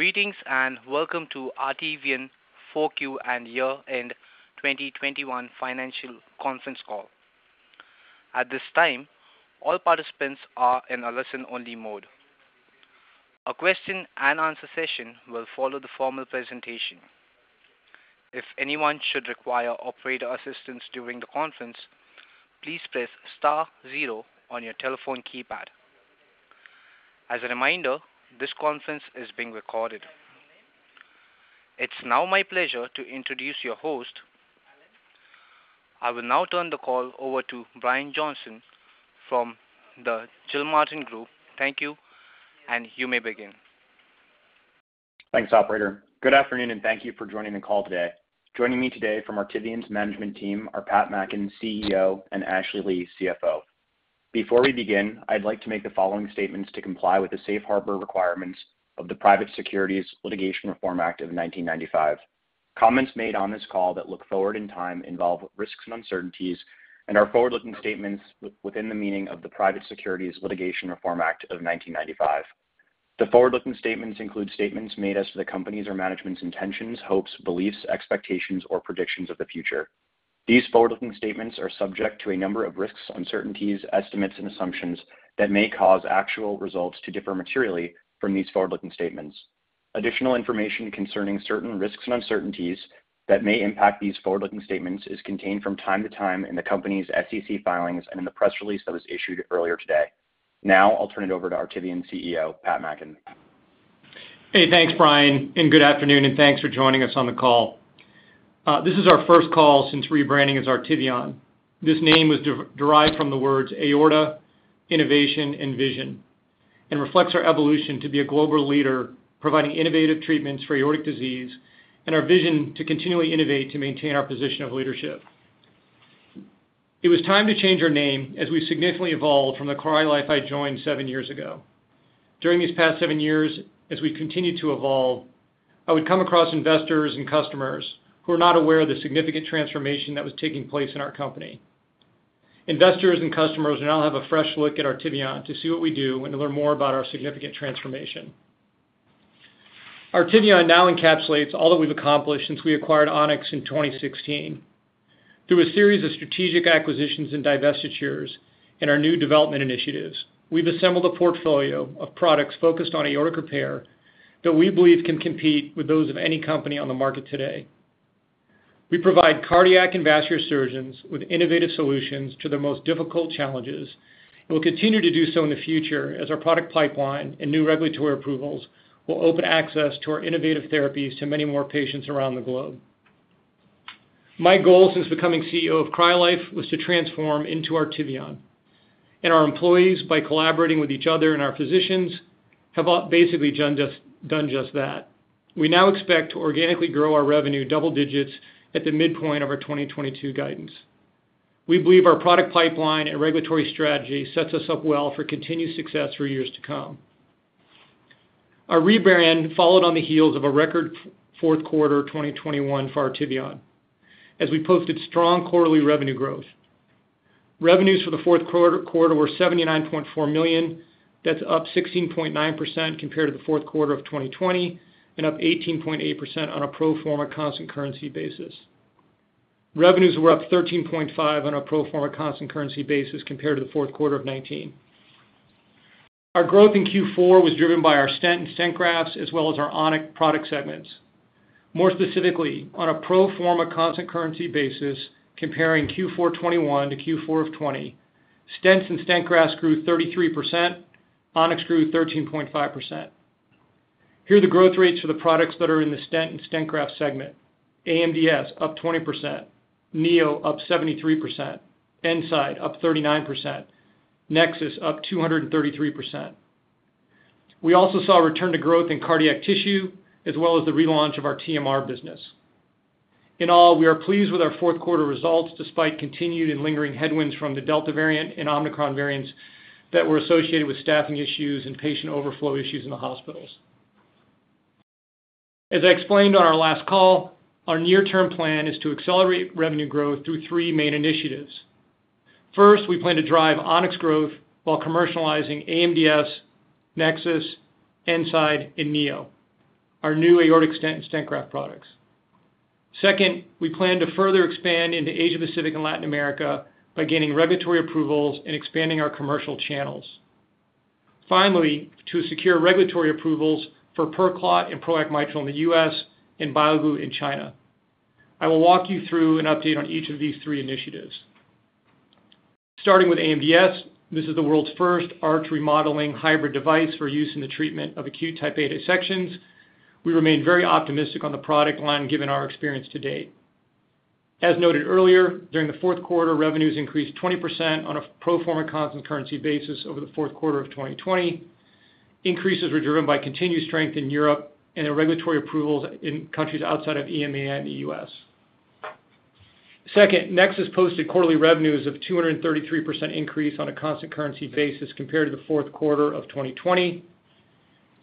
Greetings and welcome to Artivion 4Q and year-end 2021 financial conference call. At this time, all participants are in a listen-only mode. A question and answer session will follow the formal presentation. If anyone should require operator assistance during the conference, please press star zero on your telephone keypad. As a reminder, this conference is being recorded. It's now my pleasure to introduce your host. I will now turn the call over to Brian Johnston from the Gilmartin Group. Thank you, and you may begin. Thanks, operator. Good afternoon, and thank you for joining the call today. Joining me today from Artivion's management team are Pat Mackin, CEO, and Ashley Lee, CFO. Before we begin, I'd like to make the following statements to comply with the Safe Harbor requirements of the Private Securities Litigation Reform Act of 1995. Comments made on this call that look forward in time involve risks and uncertainties and are forward-looking statements within the meaning of the Private Securities Litigation Reform Act of 1995. The forward-looking statements include statements made as to the company's or management's intentions, hopes, beliefs, expectations, or predictions of the future. These forward-looking statements are subject to a number of risks, uncertainties, estimates, and assumptions that may cause actual results to differ materially from these forward-looking statements. Additional information concerning certain risks and uncertainties that may impact these forward-looking statements is contained from time to time in the company's SEC filings and in the press release that was issued earlier today. Now I'll turn it over to Artivion CEO, Pat Mackin. Hey, thanks, Brian, and good afternoon, and thanks for joining us on the call. This is our first call since rebranding as Artivion. This name was derived from the words aorta, innovation, and vision and reflects our evolution to be a global leader, providing innovative treatments for aortic disease and our vision to continually innovate to maintain our position of leadership. It was time to change our name as we significantly evolved from the CryoLife I joined seven years ago. During these past seven years, as we continued to evolve, I would come across investors and customers who are not aware of the significant transformation that was taking place in our company. Investors and customers will now have a fresh look at Artivion to see what we do and to learn more about our significant transformation. Artivion now encapsulates all that we've accomplished since we acquired On-X in 2016. Through a series of strategic acquisitions and divestitures and our new development initiatives, we've assembled a portfolio of products focused on aortic repair that we believe can compete with those of any company on the market today. We provide cardiac and vascular surgeons with innovative solutions to their most difficult challenges, and we'll continue to do so in the future as our product pipeline and new regulatory approvals will open access to our innovative therapies to many more patients around the globe. My goal since becoming CEO of CryoLife was to transform into Artivion, and our employees, by collaborating with each other and our physicians, have basically done just that. We now expect to organically grow our revenue double digits at the midpoint of our 2022 guidance. We believe our product pipeline and regulatory strategy sets us up well for continued success for years to come. Our rebrand followed on the heels of a record fourth quarter 2021 for Artivion as we posted strong quarterly revenue growth. Revenues for the fourth quarter were $79.4 million. That's up 16.9% compared to the fourth quarter of 2020 and up 18.8% on a pro forma constant currency basis. Revenues were up 13.5% on a pro forma constant currency basis compared to the fourth quarter of 2019. Our growth in Q4 was driven by our stents and stent grafts as well as our On-X product segments. More specifically, on a pro forma constant currency basis, comparing Q4 2021 to Q4 of 2020, stents and stent grafts grew 33%, On-X grew 13.5%. Here are the growth rates for the products that are in the stent and stent graft segment. AMDS up 20%, Neo up 73%, E-nside up 39%, NEXUS up 233%. We also saw a return to growth in cardiac tissue as well as the relaunch of our TMR business. In all, we are pleased with our fourth quarter results despite continued and lingering headwinds from the Delta variant and Omicron variants that were associated with staffing issues and patient overflow issues in the hospitals. As I explained on our last call, our near-term plan is to accelerate revenue growth through three main initiatives. First, we plan to drive On-X growth while commercializing AMDS, NEXUS, E-nside, and Neo, our new aortic stent and stent graft products. Second, we plan to further expand into Asia Pacific and Latin America by gaining regulatory approvals and expanding our commercial channels. Finally, to secure regulatory approvals for PerClot and PROACT Mitral in the U.S. and BioGlue in China. I will walk you through an update on each of these three initiatives. Starting with AMDS, this is the world's first arch remodeling hybrid device for use in the treatment of acute Type A dissections. We remain very optimistic on the product line given our experience to date. As noted earlier, during the fourth quarter, revenues increased 20% on a pro forma constant currency basis over the fourth quarter of 2020. Increases were driven by continued strength in Europe and the regulatory approvals in countries outside of EMA and the U.S. Second, NEXUS posted quarterly revenues of 233% increase on a constant currency basis compared to the fourth quarter of 2020.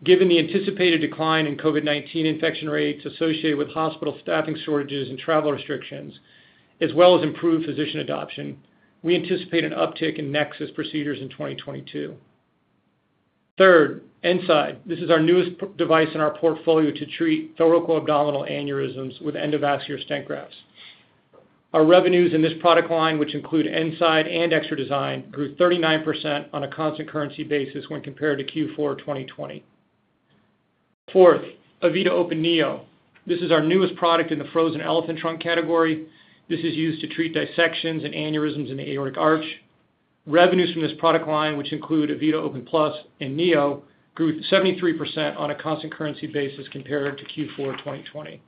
Given the anticipated decline in COVID-19 infection rates associated with hospital staffing shortages and travel restrictions, as well as improved physician adoption. We anticipate an uptick in NEXUS procedures in 2022. Third, E-nside. This is our newest product in our portfolio to treat thoracoabdominal aneurysms with endovascular stent grafts. Our revenues in this product line, which include E-nside and E-xtra Design, grew 39% on a constant currency basis when compared to Q4 2020. Fourth, E-vita Open Neo. This is our newest product in the frozen elephant trunk category. This is used to treat dissections and aneurysms in the aortic arch. Revenues from this product line, which include E-vita Open Plus and NEO, grew 73% on a constant currency basis compared to Q4 2020.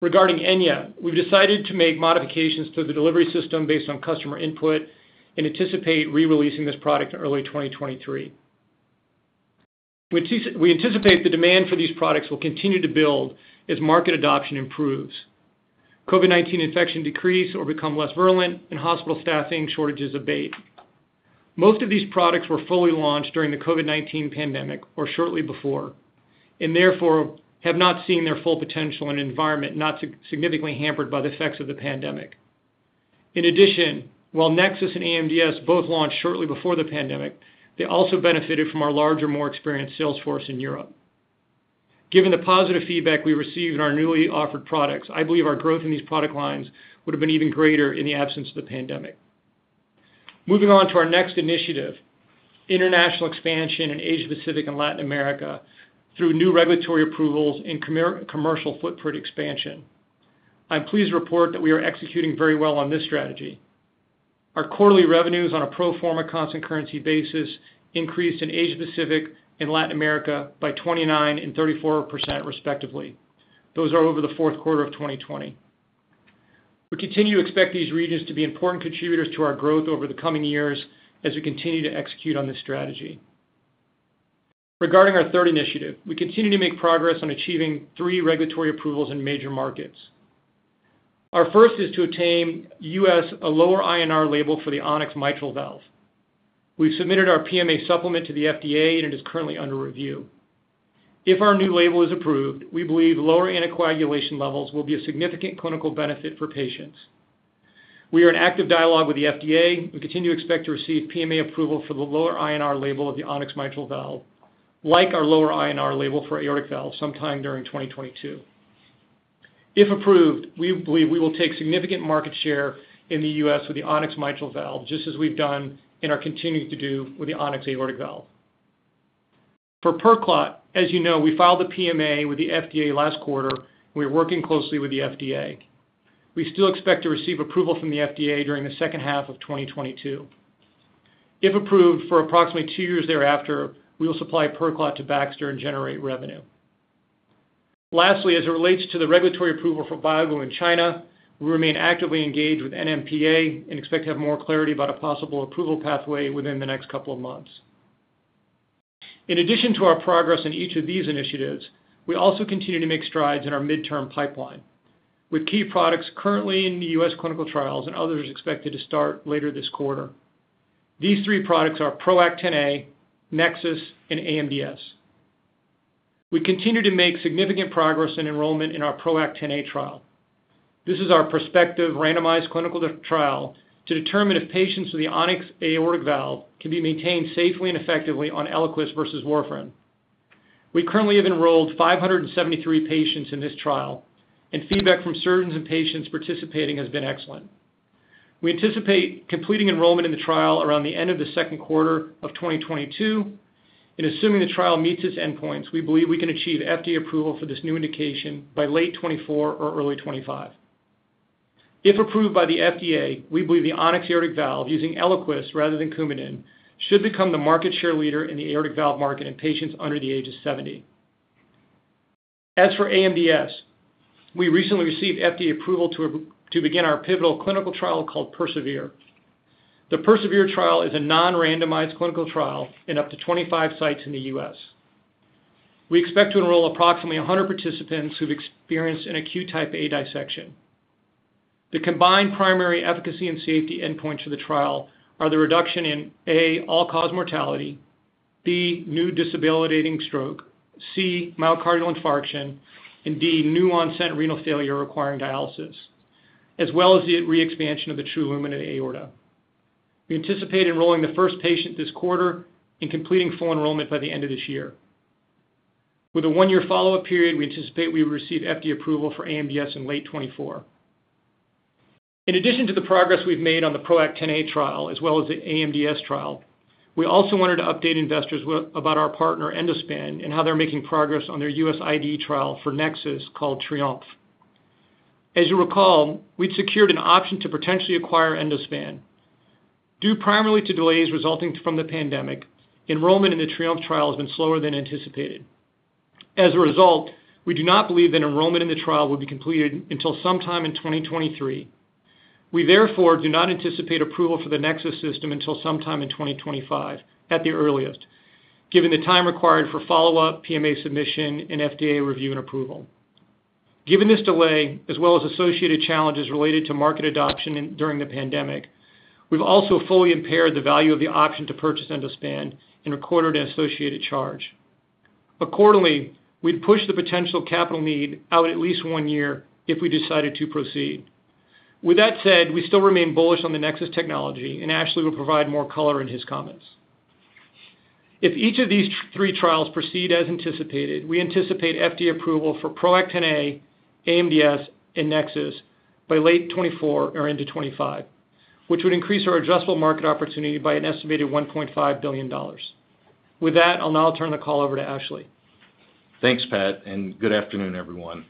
Regarding Enya, we've decided to make modifications to the delivery system based on customer input and anticipate re-releasing this product in early 2023. We anticipate the demand for these products will continue to build as market adoption improves, COVID-19 infections decrease or become less virulent and hospital staffing shortages abate. Most of these products were fully launched during the COVID-19 pandemic or shortly before, and therefore have not seen their full potential in an environment not significantly hampered by the effects of the pandemic. In addition, while NEXUS and AMDS both launched shortly before the pandemic, they also benefited from our larger, more experienced sales force in Europe. Given the positive feedback we received in our newly offered products, I believe our growth in these product lines would have been even greater in the absence of the pandemic. Moving on to our next initiative, international expansion in Asia Pacific and Latin America through new regulatory approvals and commercial footprint expansion. I'm pleased to report that we are executing very well on this strategy. Our quarterly revenues on a pro forma constant currency basis increased in Asia Pacific and Latin America by 29% and 34%, respectively. Those are over the fourth quarter of 2020. We continue to expect these regions to be important contributors to our growth over the coming years as we continue to execute on this strategy. Regarding our third initiative, we continue to make progress on achieving three regulatory approvals in major markets. Our first is to attain a U.S. lower INR label for the On-X mitral valve. We've submitted our PMA supplement to the FDA, and it is currently under review. If our new label is approved, we believe lower anticoagulation levels will be a significant clinical benefit for patients. We are in active dialogue with the FDA. We continue to expect to receive PMA approval for the lower INR label of the On-X mitral valve, like our lower INR label for aortic valve sometime during 2022. If approved, we believe we will take significant market share in the U.S. with the On-X mitral valve, just as we've done and are continuing to do with the On-X aortic valve. For PerClot, as you know, we filed the PMA with the FDA last quarter. We are working closely with the FDA. We still expect to receive approval from the FDA during the second half of 2022. If approved, for approximately two years thereafter, we will supply PerClot to Baxter and generate revenue. Lastly, as it relates to the regulatory approval for BioGlue in China, we remain actively engaged with NMPA and expect to have more clarity about a possible approval pathway within the next couple of months. In addition to our progress in each of these initiatives, we also continue to make strides in our midterm pipeline with key products currently in the U.S. clinical trials and others expected to start later this quarter. These three products are PROACT Xa, NEXUS, and AMDS. We continue to make significant progress in enrollment in our PROACT Xa trial. This is our prospective randomized clinical trial to determine if patients with the On-X aortic valve can be maintained safely and effectively on Eliquis versus warfarin. We currently have enrolled 573 patients in this trial, and feedback from surgeons and patients participating has been excellent. We anticipate completing enrollment in the trial around the end of the second quarter of 2022. Assuming the trial meets its endpoints, we believe we can achieve FDA approval for this new indication by late 2024 or early 2025. If approved by the FDA, we believe the On-X aortic valve using Eliquis rather than Coumadin should become the market share leader in the aortic valve market in patients under the age of 70. As for AMDS, we recently received FDA approval to begin our pivotal clinical trial called PERSEVERE. The PERSEVERE trial is a non-randomized clinical trial in up to 25 sites in the U.S. We expect to enroll approximately 100 participants who've experienced an acute Type A dissection. The combined primary efficacy and safety endpoints for the trial are the reduction in A, all cause mortality, B, new debilitating stroke, C, myocardial infarction, and D, new onset renal failure requiring dialysis, as well as the re-expansion of the true lumen of the aorta. We anticipate enrolling the first patient this quarter and completing full enrollment by the end of this year. With a one-year follow-up period, we anticipate we will receive FDA approval for AMDS in late 2024. In addition to the progress we've made on the PROACT Xa trial, as well as the AMDS trial, we also wanted to update investors about our partner Endospan and how they're making progress on their U.S. IDE trial for NEXUS called TRIOMPHE. As you recall, we'd secured an option to potentially acquire Endospan. Due primarily to delays resulting from the pandemic, enrollment in the TRIOMPHE trial has been slower than anticipated. As a result, we do not believe that enrollment in the trial will be completed until sometime in 2023. We therefore do not anticipate approval for the NEXUS system until sometime in 2025 at the earliest, given the time required for follow-up, PMA submission, and FDA review and approval. Given this delay, as well as associated challenges related to market adoption during the pandemic, we've also fully impaired the value of the option to purchase Endospan and recorded an associated charge. Accordingly, we'd push the potential capital need out at least one year if we decided to proceed. With that said, we still remain bullish on the NEXUS technology, and Ashley will provide more color in his comments. If each of these three trials proceed as anticipated, we anticipate FDA approval for PROACT Xa, AMDS, and NEXUS by late 2024 or into 2025, which would increase our addressable market opportunity by an estimated $1.5 billion. With that, I'll now turn the call over to Ashley. Thanks, Pat, and good afternoon, everyone.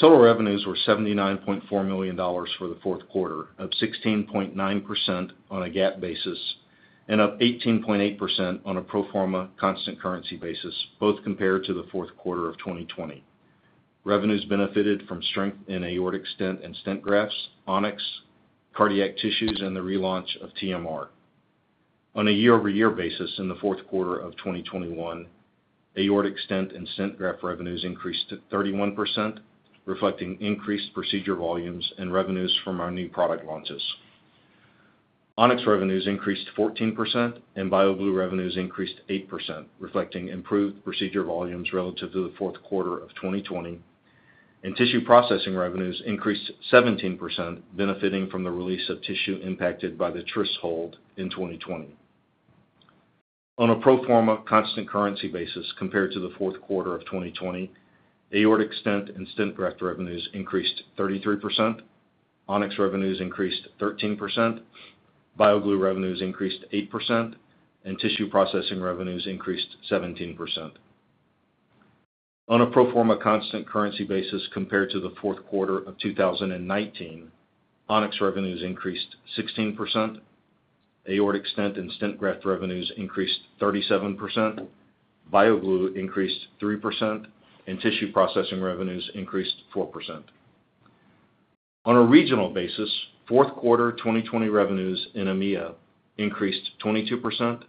Total revenues were $79.4 million for the fourth quarter, up 16.9% on a GAAP basis and up 18.8% on a pro forma constant currency basis, both compared to the fourth quarter of 2020. Revenues benefited from strength in aortic stent and stent grafts, On-X, cardiac tissues, and the relaunch of TMR. On a year-over-year basis in the fourth quarter of 2021, aortic stent and stent graft revenues increased 31%, reflecting increased procedure volumes and revenues from our new product launches. On-X revenues increased 14%, and BioGlue revenues increased 8%, reflecting improved procedure volumes relative to the fourth quarter of 2020. Tissue processing revenues increased 17%, benefiting from the release of tissue impacted by the Tris hold in 2020. On a pro forma constant currency basis compared to the fourth quarter of 2020, aortic stent and stent graft revenues increased 33%, On-X revenues increased 13%, BioGlue revenues increased 8%, and tissue processing revenues increased 17%. On a pro forma constant currency basis compared to the fourth quarter of 2019, On-X revenues increased 16%, aortic stent and stent graft revenues increased 37%, BioGlue increased 3%, and tissue processing revenues increased 4%. On a regional basis, fourth quarter 2020 revenues in EMEA increased 22%,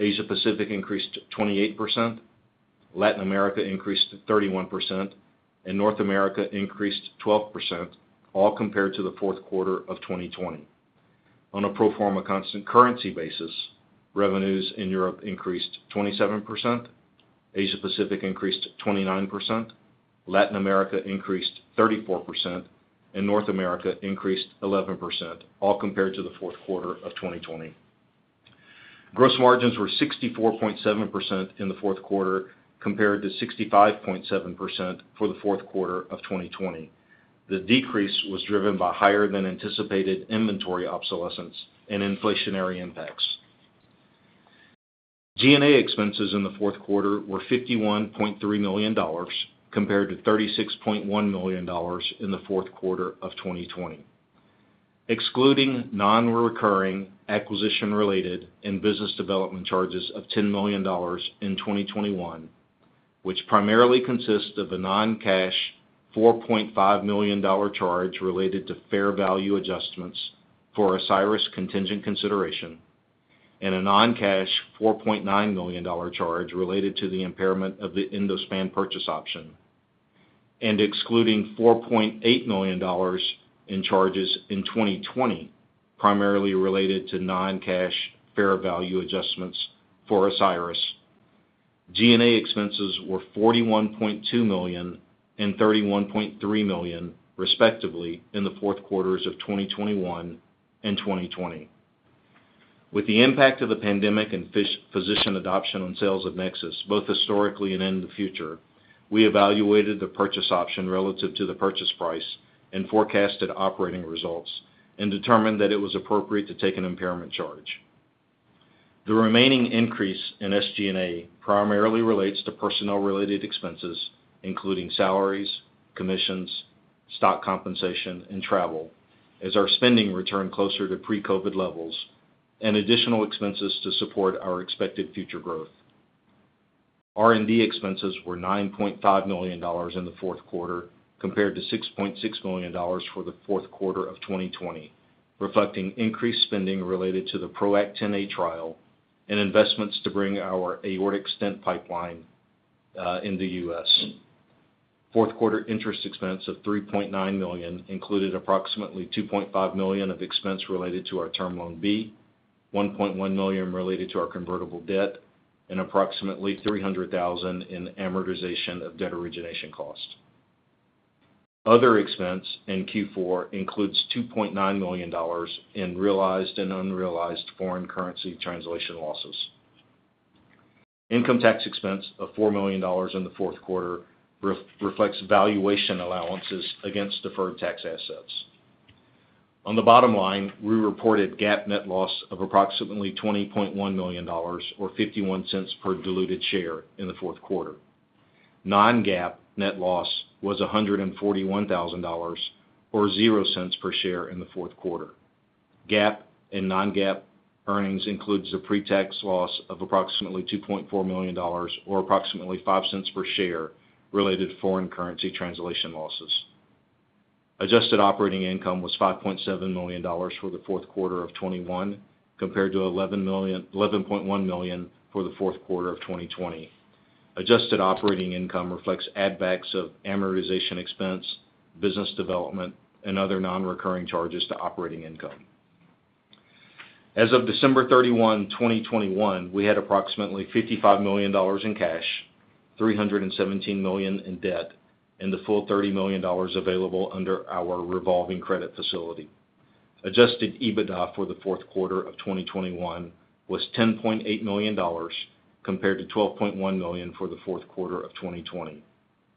Asia Pacific increased 28%, Latin America increased 31%, and North America increased 12%, all compared to the fourth quarter of 2020. On a pro forma constant currency basis, revenues in Europe increased 27%, Asia Pacific increased 29%, Latin America increased 34%, and North America increased 11%, all compared to the fourth quarter of 2020. Gross margins were 64.7% in the fourth quarter, compared to 65.7% for the fourth quarter of 2020. The decrease was driven by higher than anticipated inventory obsolescence and inflationary impacts. G&A expenses in the fourth quarter were $51.3 million, compared to $36.1 million in the fourth quarter of 2020. Excluding non-recurring acquisition related and business development charges of $10 million in 2021, which primarily consist of a non-cash $4.5 million charge related to fair value adjustments for Ascyrus contingent consideration and a non-cash $4.9 million charge related to the impairment of the Endospan purchase option, and excluding $4.8 million in charges in 2020, primarily related to non-cash fair value adjustments for Osiris. SG&A expenses were $41.2 million and $31.3 million, respectively, in the fourth quarters of 2021 and 2020. With the impact of the pandemic and physician adoption on sales of NEXUS, both historically and in the future, we evaluated the purchase option relative to the purchase price and forecasted operating results and determined that it was appropriate to take an impairment charge. The remaining increase in SG&A primarily relates to personnel-related expenses, including salaries, commissions, stock compensation, and travel, as our spending returned closer to pre-COVID levels and additional expenses to support our expected future growth. R&D expenses were $9.5 million in the fourth quarter, compared to $6.6 million for the fourth quarter of 2020, reflecting increased spending related to the PROACT Xa trial and investments to bring our aortic stent pipeline in the U.S. Fourth quarter interest expense of $3.9 million included approximately $2.5 million of expense related to our Term Loan B, $1.1 million related to our convertible debt, and approximately $300,000 in amortization of debt origination costs. Other expense in Q4 includes $2.9 million in realized and unrealized foreign currency translation losses. Income tax expense of $4 million in the fourth quarter reflects valuation allowances against deferred tax assets. On the bottom line, we reported GAAP net loss of approximately $20.1 million or $0.51 per diluted share in the fourth quarter. Non-GAAP net loss was $141,000 or zero cents per share in the fourth quarter. GAAP and non-GAAP earnings includes a pre-tax loss of approximately $2.4 million or approximately $0.05 per share related to foreign currency translation losses. Adjusted operating income was $5.7 million for the fourth quarter of 2021, compared to $11.1 million for the fourth quarter of 2020. Adjusted operating income reflects add backs of amortization expense, business development, and other non-recurring charges to operating income. As of December 31, 2021, we had approximately $55 million in cash, $317 million in debt, and the full $30 million available under our revolving credit facility. Adjusted EBITDA for the fourth quarter of 2021 was $10.8 million compared to $12.1 million for the fourth quarter of 2020.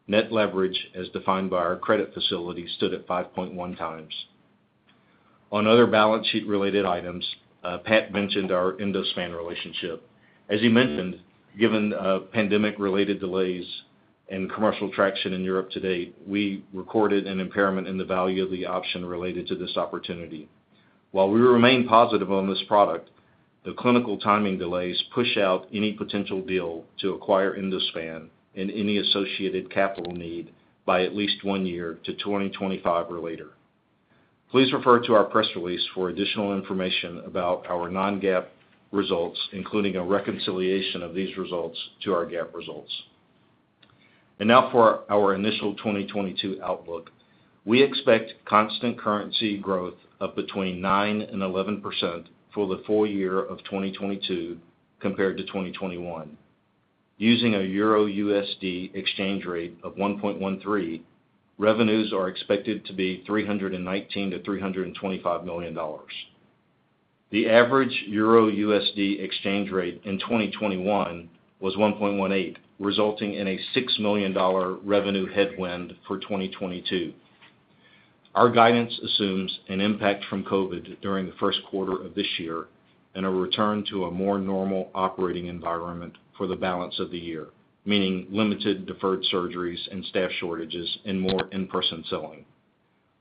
Net leverage, as defined by our credit facility, stood at 5.1 times. On other balance sheet related items, Pat mentioned our Endospan relationship. As he mentioned, given pandemic-related delays and commercial traction in Europe to date, we recorded an impairment in the value of the option related to this opportunity. While we remain positive on this product, the clinical timing delays push out any potential deal to acquire Endospan and any associated capital need by at least one year to 2025 or later. Please refer to our press release for additional information about our non-GAAP results, including a reconciliation of these results to our GAAP results. Now for our initial 2022 outlook. We expect constant currency growth of between 9% and 11% for the full year of 2022 compared to 2021. Using a EUR/USD exchange rate of 1.13, revenues are expected to be $319 million-$325 million. The average EUR/USD exchange rate in 2021 was 1.18, resulting in a $6 million revenue headwind for 2022. Our guidance assumes an impact from COVID during the first quarter of this year and a return to a more normal operating environment for the balance of the year, meaning limited deferred surgeries and staff shortages and more in-person selling.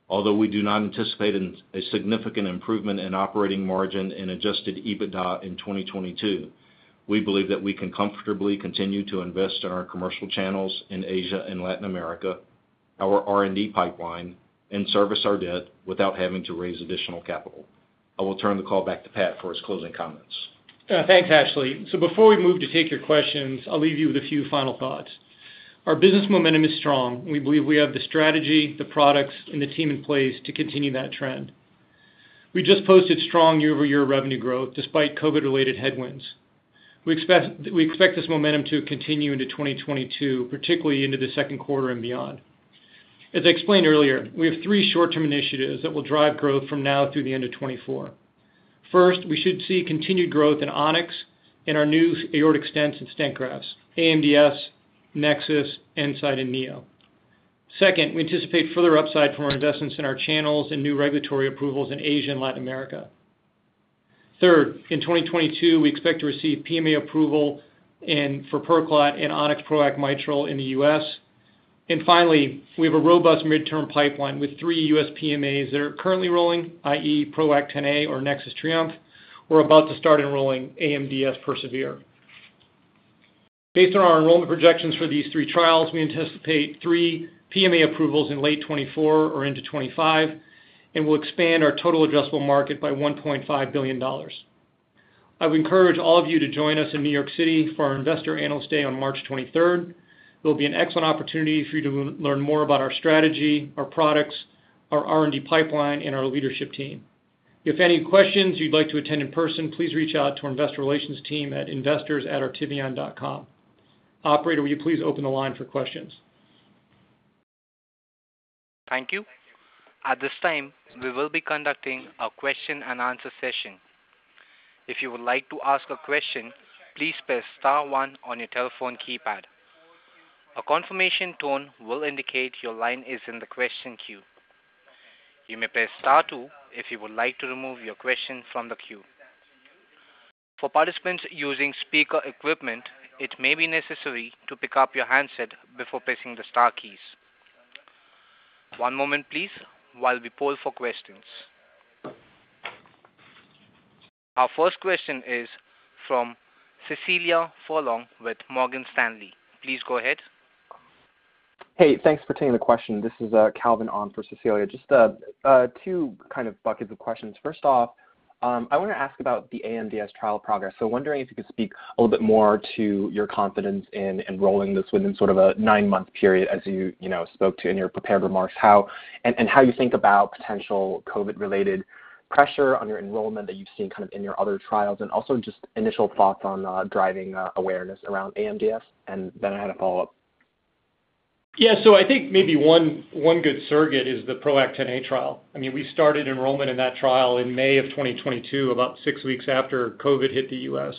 Although we do not anticipate a significant improvement in operating margin and adjusted EBITDA in 2022, we believe that we can comfortably continue to invest in our commercial channels in Asia and Latin America, our R&D pipeline, and service our debt without having to raise additional capital. I will turn the call back to Pat for his closing comments. Thanks, Ashley. Before we move to take your questions, I'll leave you with a few final thoughts. Our business momentum is strong, and we believe we have the strategy, the products, and the team in place to continue that trend. We just posted strong year-over-year revenue growth despite COVID-related headwinds. We expect this momentum to continue into 2022, particularly into the second quarter and beyond. As I explained earlier, we have three short-term initiatives that will drive growth from now through the end of 2024. First, we should see continued growth in On-X and our new aortic stents and stent grafts, AMDS, NEXUS, E-nside, and NEO. Second, we anticipate further upside from our investments in our channels and new regulatory approvals in Asia and Latin America. Third, in 2022, we expect to receive PMA approval for PerClot and On-X PROACT Mitral in the U.S. Finally, we have a robust midterm pipeline with three U.S. PMAs that are currently rolling, i.e., PROACT Xa or NEXUS TRIOMPHE, or about to start enrolling AMDS PERSEVERE. Based on our enrollment projections for these three trials, we anticipate three PMA approvals in late 2024 or into 2025, and we'll expand our total addressable market by $1.5 billion. I would encourage all of you to join us in New York City for our Investor & Analyst Day on March 23. It'll be an excellent opportunity for you to learn more about our strategy, our products, our R&D pipeline, and our leadership team. If you have any questions or you'd like to attend in person, please reach out to our investor relations team at investors@artivion.com. Operator, will you please open the line for questions? Thank you. At this time, we will be conducting a question and answer session. If you would like to ask a question, please press star one on your telephone keypad. A confirmation tone will indicate your line is in the question queue. You may press star two if you would like to remove your question from the queue. For participants using speaker equipment, it may be necessary to pick up your handset before pressing the star keys. One moment please while we poll for questions. Our first question is from Cecilia Furlong with Morgan Stanley. Please go ahead. Hey, thanks for taking the question. This is Calvin on for Cecilia. Just two kind of buckets of questions. First off, I want to ask about the AMDS trial progress. Wondering if you could speak a little bit more to your confidence in enrolling this within sort of a nine-month period as you know, spoke to in your prepared remarks. And how you think about potential COVID-related pressure on your enrollment that you've seen kind of in your other trials, and also just initial thoughts on driving awareness around AMDS. Then I had a follow-up. I think maybe one good surrogate is the PROACT Xa trial. I mean, we started enrollment in that trial in May 2022, about six weeks after COVID hit the U.S.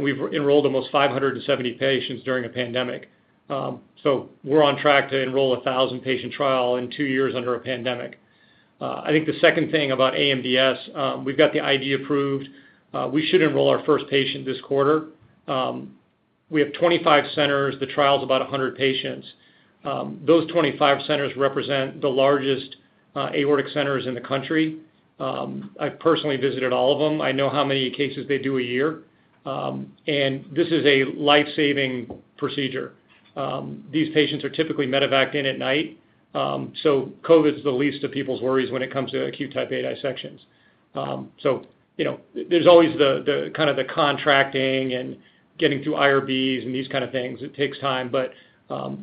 We've enrolled almost 570 patients during a pandemic. We're on track to enroll a 1,000-patient trial in two years under a pandemic. I think the second thing about AMDS. We've got the IDE approved. We should enroll our first patient this quarter. We have 25 centers. The trial is about 100 patients. Those 25 centers represent the largest aortic centers in the country. I've personally visited all of them. I know how many cases they do a year. This is a life-saving procedure. These patients are typically medevaced in at night, so COVID's the least of people's worries when it comes to acute Type A dissections. You know, there's always the kind of contracting and getting through IRBs and these kind of things. It takes time, but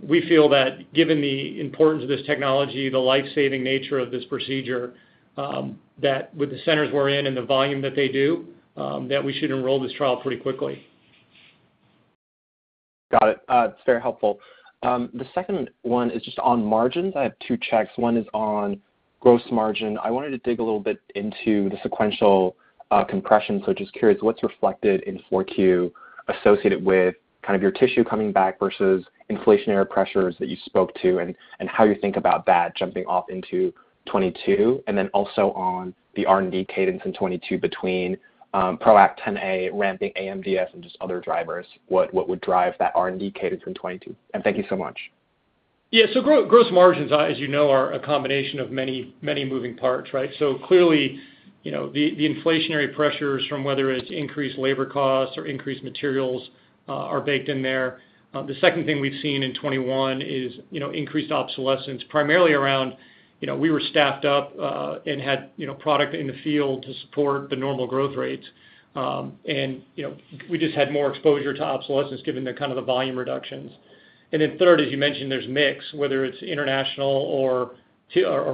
we feel that given the importance of this technology, the life-saving nature of this procedure, that with the centers we're in and the volume that they do, that we should enroll this trial pretty quickly. Got it. It's very helpful. The second one is just on margins. I have two checks. One is on gross margin. I wanted to dig a little bit into the sequential compression. Just curious, what's reflected in Q4 associated with kind of your tissue coming back versus inflationary pressures that you spoke to and how you think about that jumping off into 2022. Then also on the R&D cadence in 2022 between PROACT Xa ramping AMDS and just other drivers, what would drive that R&D cadence in 2022? Thank you so much. Gross margins, as you know, are a combination of many, many moving parts, right? Clearly, you know, the inflationary pressures from whether it's increased labor costs or increased materials are baked in there. The second thing we've seen in 2021 is, you know, increased obsolescence primarily around, you know, we were staffed up and had, you know, product in the field to support the normal growth rates. You know, we just had more exposure to obsolescence given the kind of volume reductions. Then third, as you mentioned, there's mix, whether it's international or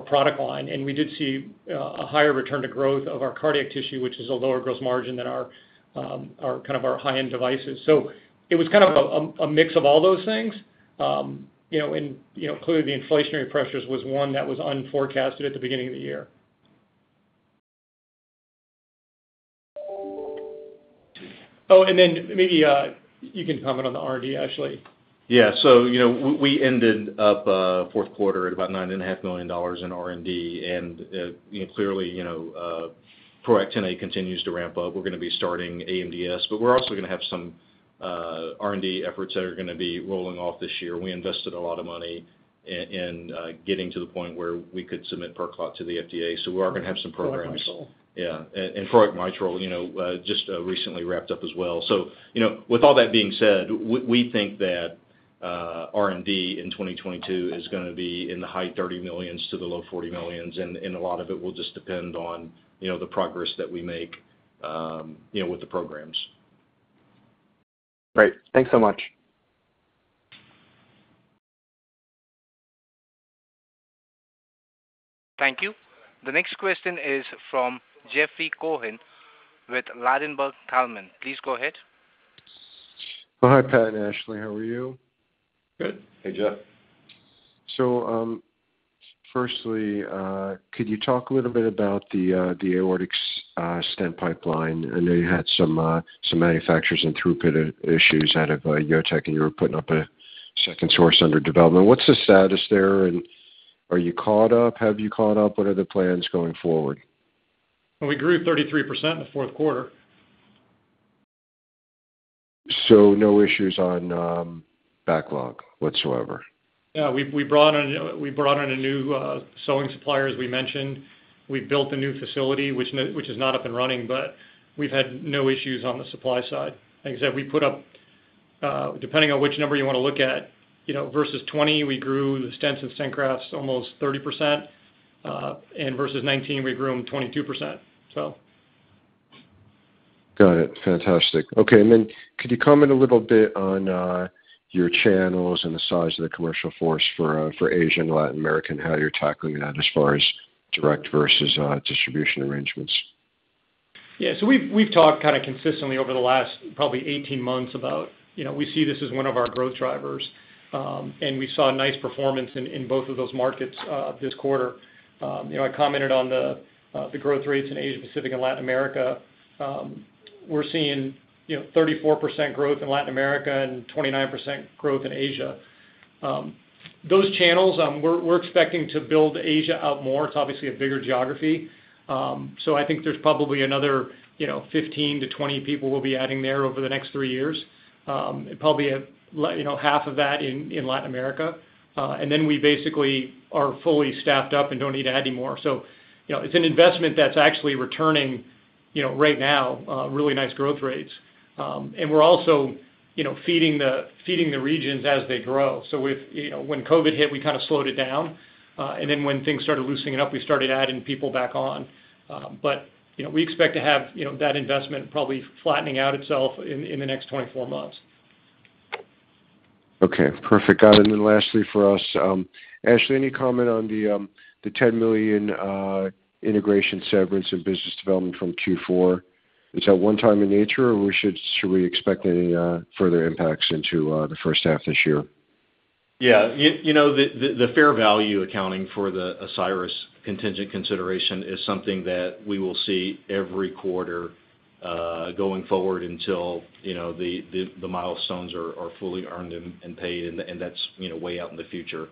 product line, and we did see a higher return to growth of our cardiac tissue, which is a lower gross margin than our kind of high-end devices. It was kind of a mix of all those things. You know, you know, clearly the inflationary pressures was one that was unforecasted at the beginning of the year. Maybe you can comment on the R&D, Ashley. Yeah, you know, we ended up fourth quarter at about $9.5 million in R&D. You know, clearly, you know, PROACT Xa continues to ramp up. We're gonna be starting AMDS, but we're also gonna have some R&D efforts that are gonna be rolling off this year. We invested a lot of money in getting to the point where we could submit PerClot to the FDA. We are gonna have some programs. PROACT Mitral. Yeah. And Proact Mitral, you know, just recently wrapped up as well. With all that being said, we think that R&D in 2022 is gonna be in the high $30 million to the low $40 million, and a lot of it will just depend on the progress that we make, you know, with the programs. Great. Thanks so much. Thank you. The next question is from Jeffrey Cohen with Ladenburg Thalmann. Please go ahead. Oh, hi, Pat and Ashley. How are you? Good. Hey, Jeff. Firstly, could you talk a little bit about the aortic stent pipeline? I know you had some manufacturers and throughput issues out of JOTEC, and you were putting up a second source under development. What's the status there, and are you caught up? What are the plans going forward? Well, we grew 33% in the fourth quarter. No issues on backlog whatsoever. Yeah, we brought on a new sewing supplier, as we mentioned. We built a new facility which is not up and running, but we've had no issues on the supply side. Like I said, we put up, depending on which number you want to look at, you know, versus 2020, we grew the stents and stent grafts almost 30%. And versus 2019, we grew them 22%, so. Got it. Fantastic. Okay. Could you comment a little bit on your channels and the size of the commercial force for Asia and Latin America, and how you're tackling that as far as direct versus distribution arrangements? Yeah. We've talked kind of consistently over the last probably 18 months about, you know, we see this as one of our growth drivers. We saw a nice performance in both of those markets this quarter. You know, I commented on the growth rates in Asia Pacific and Latin America. We're seeing, you know, 34% growth in Latin America and 29% growth in Asia. Those channels, we're expecting to build Asia out more. It's obviously a bigger geography. I think there's probably another, you know, 15-20 people we'll be adding there over the next 3 years. Probably you know, half of that in Latin America. We basically are fully staffed up and don't need to add any more. It's an investment that's actually returning, you know, right now, really nice growth rates. We're also, you know, feeding the regions as they grow. You know, when COVID hit, we kind of slowed it down. When things started loosening up, we started adding people back on. You know, we expect to have that investment probably flattening out itself in the next 24 months. Okay, perfect. Got it. Lastly for us, Ashley, any comment on the $10 million integration severance and business development from Q4? Is that one-time in nature, or should we expect any further impacts into the first half this year? Yeah. You know the fair value accounting for the Osiris contingent consideration is something that we will see every quarter going forward until you know the milestones are fully earned and paid and that's you know way out in the future.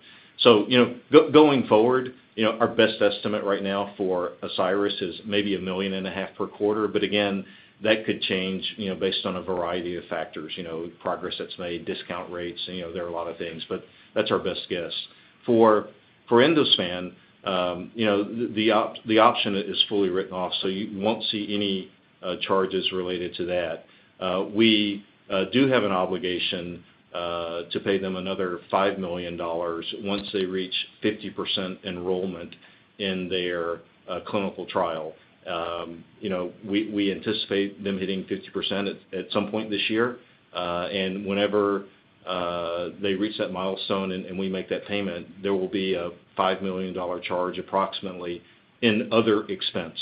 You know going forward you know our best estimate right now for Osiris is maybe $1.5 million per quarter, but again that could change you know based on a variety of factors you know progress that's made discount rates you know there are a lot of things but that's our best guess. For Endospan you know the option is fully written off so you won't see any charges related to that. We do have an obligation to pay them another $5 million once they reach 50% enrollment in their clinical trial. You know, we anticipate them hitting 50% at some point this year. Whenever they reach that milestone and we make that payment, there will be a $5 million charge approximately in other expense.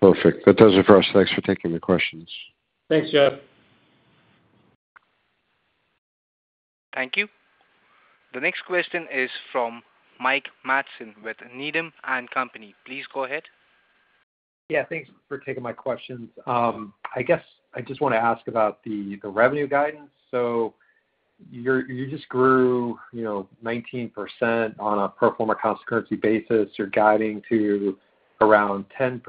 Perfect. That does it for us. Thanks for taking the questions. Thanks, Jeff. Thank you. The next question is from Mike Matson with Needham & Company. Please go ahead. Yeah, thanks for taking my questions. I guess I just want to ask about the revenue guidance. So you just grew, you know, 19% on a pro forma constant currency basis. You're guiding to around 10%.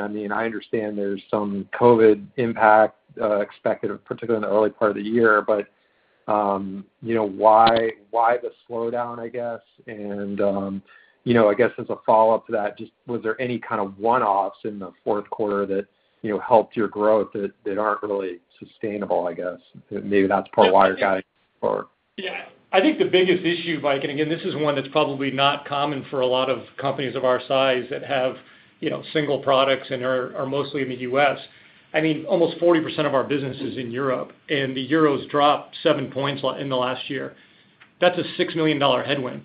I mean, I understand there's some COVID impact expected, particularly in the early part of the year, but you know, why the slowdown, I guess? You know, I guess as a follow-up to that, just was there any kind of one-offs in the fourth quarter that, you know, helped your growth that aren't really sustainable, I guess? Maybe that's part of why you're guiding for it. Yeah. I think the biggest issue, Mike, and again, this is one that's probably not common for a lot of companies of our size that have, you know, single products and are mostly in the U.S. I mean, almost 40% of our business is in Europe, and the euro's dropped seven points in the last year. That's a $6 million headwind.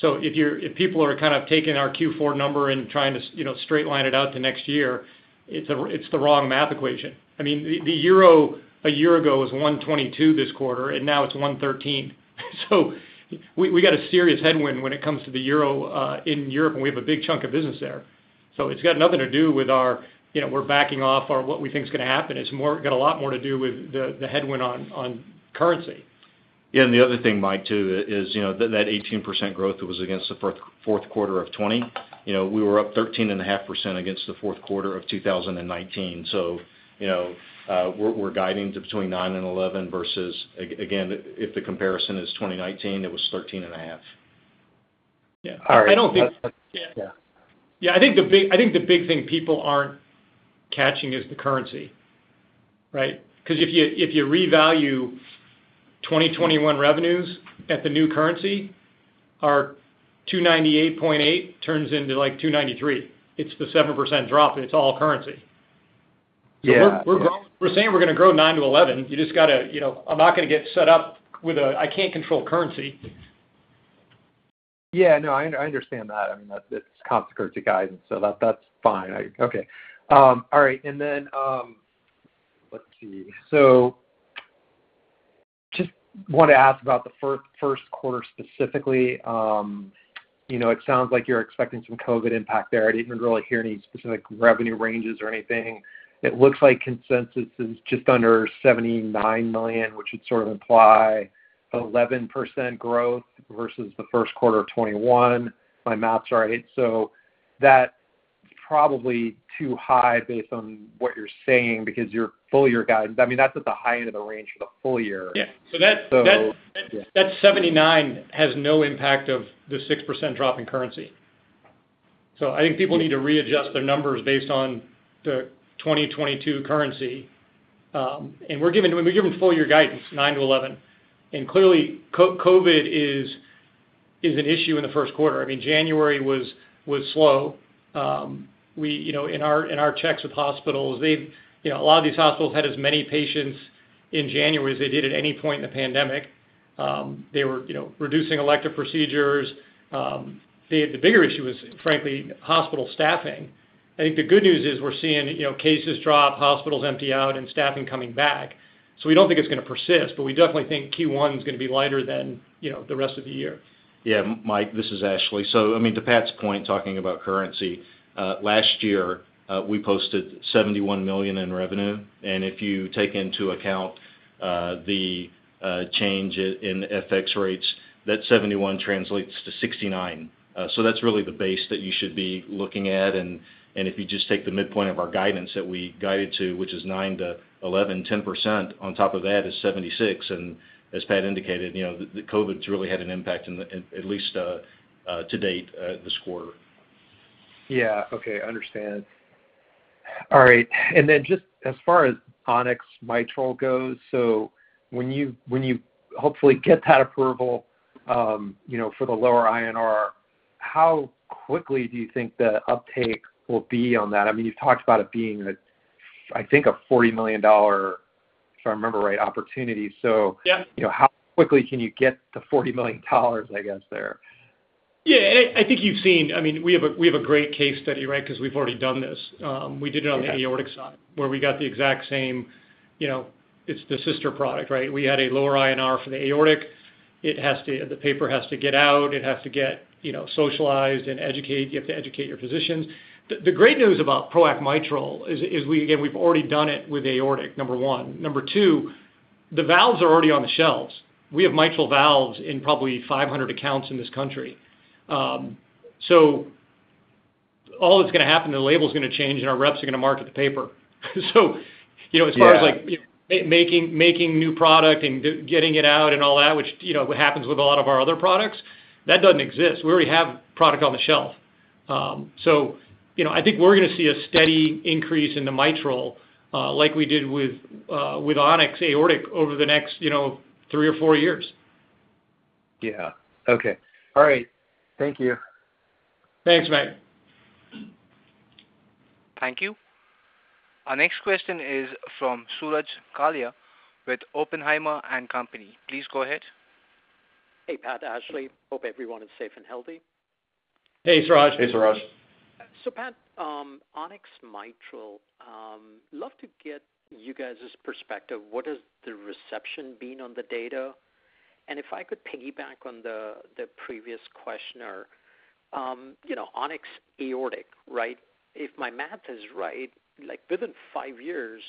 If people are kind of taking our Q4 number and trying to, you know, straight line it out to next year, it's the wrong math equation. I mean, the euro a year ago was 1.22 this quarter, and now it's 1.13. We got a serious headwind when it comes to the euro in Europe, and we have a big chunk of business there. It's got nothing to do with our, you know, we're backing off or what we think is gonna happen. It's more, got a lot more to do with the headwind on currency. Yeah. The other thing, Mike, too, is, you know, that 18% growth was against the fourth quarter of 2020. You know, we were up 13.5% against the fourth quarter of 2019. You know, we're guiding to between 9% and 11% versus again, if the comparison is 2019, it was 13.5. Yeah. All right. I don't think. Yeah. Yeah, I think the big thing people aren't catching is the currency, right? 'Cause if you revalue 2021 revenues at the new currency, our $298.8 turns into, like, $293. It's the 7% drop, and it's all currency. Yeah. We're saying we're gonna grow 9%-11%. You just gotta, you know, I'm not gonna get set up with a. I can't control currency. Yeah. No, I understand that. I mean, that's constant currency guidance, so that's fine. Okay. All right. Let's see. Just want to ask about the first quarter specifically. You know, it sounds like you're expecting some COVID impact there. I didn't really hear any specific revenue ranges or anything. It looks like consensus is just under $79 million, which would sort of imply 11% growth versus the first quarter of 2021, if my math's right. That's probably too high based on what you're saying because your full year guidance, I mean, that's at the high end of the range for the full year. Yeah. Yeah. That 79 has no impact of the 6% drop in currency. I think people need to readjust their numbers based on the 2022 currency. We're giving full year guidance, 9%-11%. Clearly, COVID is an issue in the first quarter. I mean, January was slow. You know, in our checks with hospitals, you know, a lot of these hospitals had as many patients in January as they did at any point in the pandemic. They were, you know, reducing elective procedures. The bigger issue was, frankly, hospital staffing. I think the good news is we're seeing, you know, cases drop, hospitals empty out, and staffing coming back. We don't think it's gonna persist, but we definitely think Q1 is gonna be lighter than, you know, the rest of the year. Yeah. Mike, this is Ashley. I mean, to Pat's point, talking about currency, last year, we posted $71 million in revenue, and if you take into account the change in FX rates, that $71 million translates to $69 million. That's really the base that you should be looking at. If you just take the midpoint of our guidance that we guided to, which is 9%-11%, 10% on top of that is $76 million. As Pat indicated, you know, the COVID's really had an impact, at least to date, in this quarter. Yeah. Okay. Understand. All right. Then just as far as On-X mitral goes, so when you hopefully get that approval, you know, for the lower INR, how quickly do you think the uptake will be on that? I mean, you've talked about it being a, I think a $40 million, if I remember right, opportunity. Yeah. You know, how quickly can you get to $40 million, I guess, there? I think you've seen. I mean, we have a great case study, right? Because we've already done this. We did it on the aortic side where we got the exact same. It's the sister product, right? We had a lower INR for the aortic. The paper has to get out. It has to get socialized and educate. You have to educate your physicians. The great news about PROACT Mitral is, again, we've already done it with aortic, number one. Number two, the valves are already on the shelves. We have mitral valves in probably 500 accounts in this country. All that's gonna happen, the label's gonna change and our reps are gonna market the paper. Yeah. As far as, like, making new product and getting it out and all that, which, you know, happens with a lot of our other products, that doesn't exist. We already have product on the shelf. You know, I think we're gonna see a steady increase in the mitral, like we did with On-X aortic over the next, you know, three or four years. Yeah. Okay. All right. Thank you. Thanks, Mike. Thank you. Our next question is from Suraj Kalia with Oppenheimer & Co. Please go ahead. Hey, Pat, Ashley. Hope everyone is safe and healthy. Hey, Suraj. Hey, Suraj. Pat, On-X mitral, love to get you guys' perspective. What is the reception been on the data? If I could piggyback on the previous questioner, you know, On-X aortic, right? If my math is right, like within five years,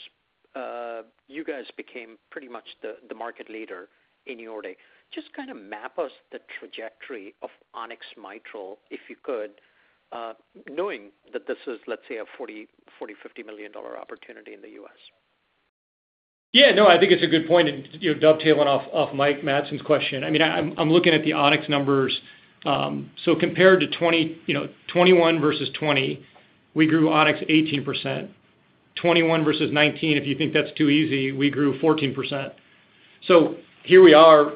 you guys became pretty much the market leader in aortic. Just kind of map us the trajectory of On-X mitral, if you could, knowing that this is, let's say, a $40 million-$50 million opportunity in the U.S. Yeah, no, I think it's a good point. You know, dovetailing off Mike Matson's question. I mean, I'm looking at the On-X numbers. So compared to 2021 versus 2020, we grew On-X 18%. 2021 versus 2019, if you think that's too easy, we grew 14%. Here we are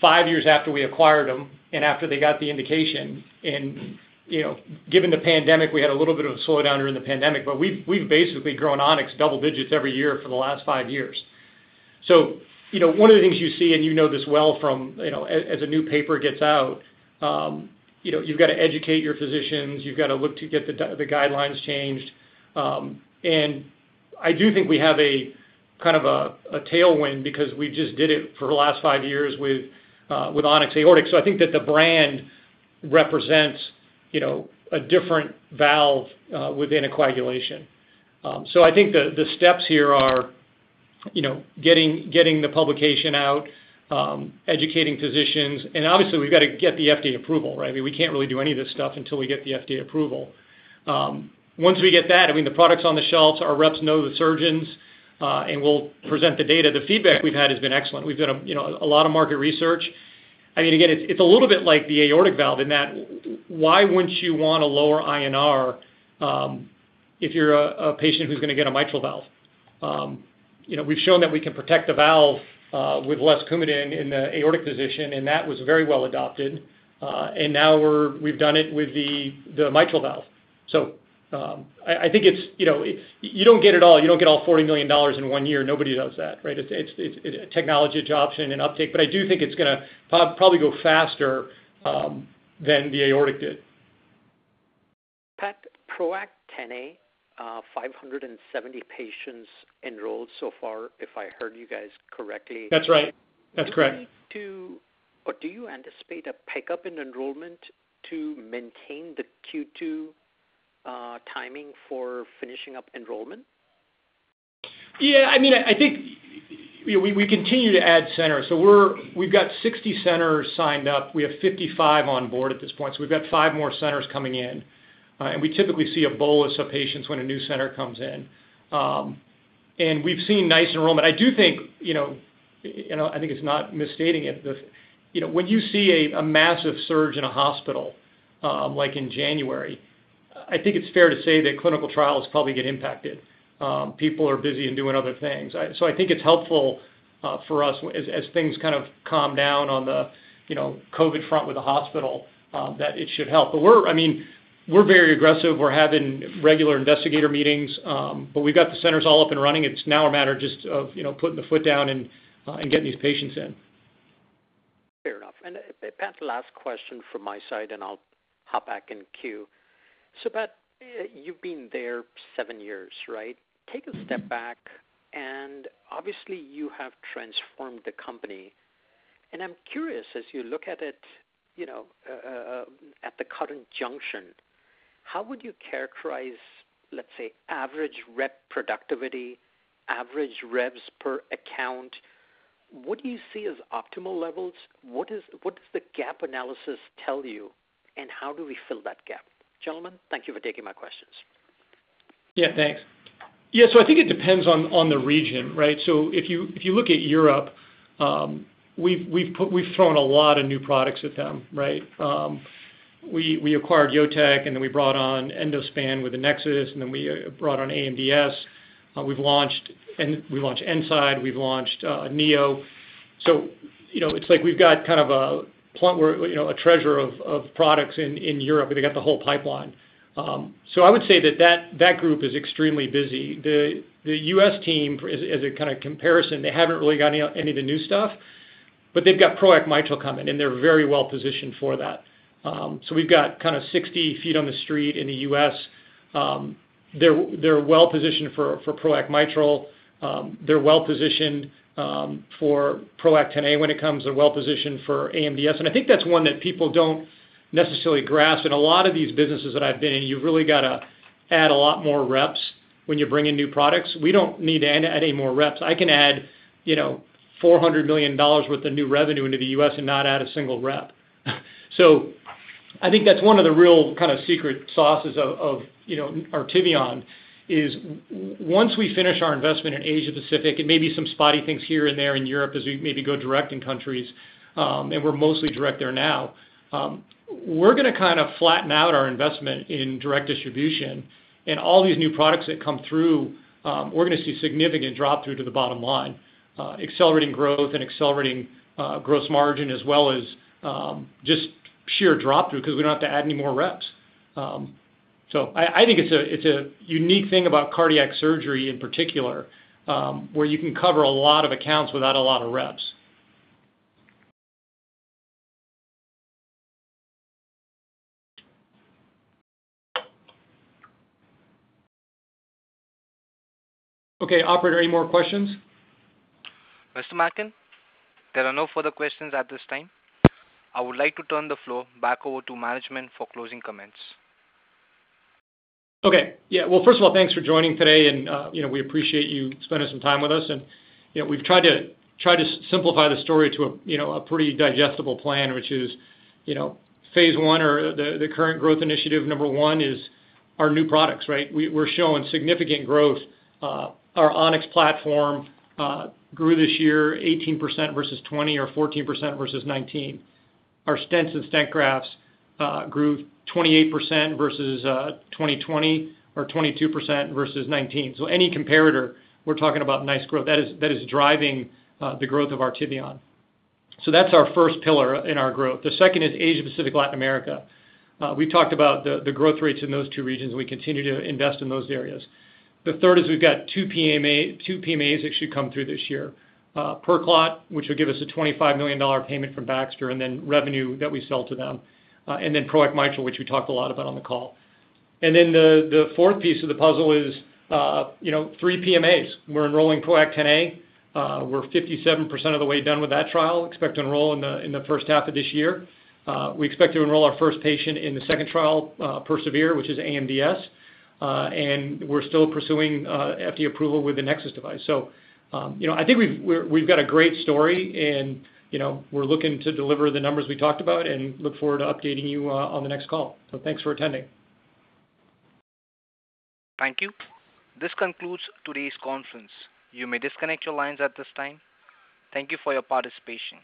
five years after we acquired them and after they got the indication. You know, given the pandemic, we had a little bit of a slowdown during the pandemic, but we've basically grown On-X double digits every year for the last five years. You know, one of the things you see and you know this well from, you know, as a new paper gets out, you know, you've got to educate your physicians. You've got to look to get the guidelines changed. I do think we have a kind of tailwind because we just did it for the last five years with On-X aortic. I think that the brand represents, you know, a different valve within anticoagulation. I think the steps here are, you know, getting the publication out, educating physicians, and obviously, we've got to get the FDA approval, right? I mean, we can't really do any of this stuff until we get the FDA approval. Once we get that, I mean, the products on the shelves, our reps know the surgeons, and we'll present the data. The feedback we've had has been excellent. We've done, you know, a lot of market research. I mean, again, it's a little bit like the aortic valve in that why wouldn't you want a lower INR if you're a patient who's gonna get a mitral valve? You know, we've shown that we can protect the valve with less Coumadin in the aortic position, and that was very well adopted. And now we've done it with the mitral valve. I think it's, you know. You don't get it all. You don't get all $40 million in one year. Nobody does that, right? It's technology adoption and uptake. I do think it's gonna probably go faster than the aortic did. Pat, PROACT Xa, 570 patients enrolled so far, if I heard you guys correctly. That's right. That's correct. Do you need to or do you anticipate a pickup in enrollment to maintain the Q2 timing for finishing up enrollment? Yeah, I mean, I think we continue to add centers. We've got 60 centers signed up. We have 55 on board at this point, so we've got five more centers coming in. And we typically see a bolus of patients when a new center comes in. And we've seen nice enrollment. I do think, you know, and I think it's not misstating it. You know, when you see a massive surge in a hospital, like in January, I think it's fair to say that clinical trials probably get impacted. People are busy and doing other things. So I think it's helpful for us as things kind of calm down on the, you know, COVID front with the hospital, that it should help. But I mean, we're very aggressive. We're having regular investigator meetings, but we've got the centers all up and running. It's now a matter just of, you know, putting the foot down and getting these patients in. Fair enough. Pat, last question from my side, and I'll hop back in queue. Pat, you've been there seven years, right? Take a step back, and obviously, you have transformed the company. I'm curious, as you look at it, you know, at the current junction, how would you characterize, let's say, average rep productivity, average reps per account? What do you see as optimal levels? What does the gap analysis tell you, and how do we fill that gap? Gentlemen, thank you for taking my questions. Yeah, thanks. Yeah, I think it depends on the region, right? If you look at Europe, we've thrown a lot of new products at them, right? We acquired JOTEC, and then we brought on Endospan with the NEXUS, and then we brought on AMDS. We've launched E-nside, we've launched NEO. You know, it's like we've got kind of a point where a treasure trove of products in Europe, and they got the whole pipeline. I would say that group is extremely busy. The U.S. team as a kind of comparison, they haven't really got any of the new stuff, but they've got PROACT Mitral coming, and they're very well positioned for that. We've got kind of 60 feet on the street in the U.S. They're well positioned for PROACT Mitral. They're well positioned for PROACT Xa when it comes. They're well positioned for AMDS. I think that's one that people don't necessarily grasp. In a lot of these businesses that I've been in, you really gotta add a lot more reps when you bring in new products. We don't need to add any more reps. I can add, you know, $400 million worth of new revenue into the U.S. and not add a single rep. I think that's one of the real kind of secret sauces of you know, Artivion, is once we finish our investment in Asia Pacific and maybe some spotty things here and there in Europe as we maybe go direct in countries, and we're mostly direct there now, we're gonna kinda flatten out our investment in direct distribution. All these new products that come through, we're gonna see significant drop through to the bottom line, accelerating growth and accelerating gross margin as well as just sheer drop through because we don't have to add any more reps. I think it's a unique thing about cardiac surgery in particular, where you can cover a lot of accounts without a lot of reps. Okay, operator, any more questions? Mr. Mackin, there are no further questions at this time. I would like to turn the floor back over to management for closing comments. Okay. Yeah. Well, first of all, thanks for joining today and, you know, we appreciate you spending some time with us. You know, we've tried to simplify the story to a, you know, a pretty digestible plan, which is, you know, phase one or the current growth initiative number one is our new products, right? We're showing significant growth. Our On-X platform grew this year 18% versus 2020 or 14% versus 2019. Our stents and stent grafts grew 28% versus 2020 or 22% versus 2019. Any comparator, we're talking about nice growth that is driving the growth of Artivion. That's our first pillar in our growth. The second is Asia Pacific, Latin America. We talked about the growth rates in those two regions. We continue to invest in those areas. The third is we've got two PMAs that should come through this year. PerClot, which will give us a $25 million payment from Baxter and then revenue that we sell to them. The fourth piece of the puzzle is, you know, three PMAs. We're enrolling PROACT Xa. We're 57% of the way done with that trial. Expect to enroll in the first half of this year. We expect to enroll our first patient in the second trial, PERSEVERE, which is AMDS. We're still pursuing FDA approval with the NEXUS device. You know, I think we've got a great story and, you know, we're looking to deliver the numbers we talked about and look forward to updating you on the next call. Thanks for attending. Thank you. This concludes today's conference. You may disconnect your lines at this time. Thank you for your participation.